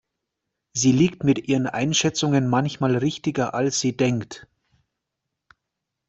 Sie liegt mit ihren Einschätzungen manchmal richtiger, als sie denkt.